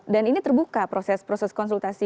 dan ini terbuka proses proses konsultasi